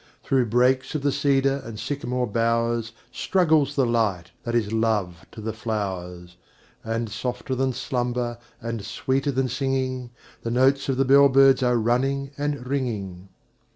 Through breaks of the cedar and sycamore bowers Struggles the light that is love to the flowers; And, softer than slumber, and sweeter than singing, The notes of the bell birds are running and ringing.